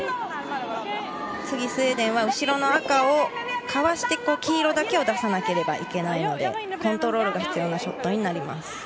次、スウェーデンは後ろの赤をかわして黄色だけを出さなければいけないのでコントロールが必要なショットになります。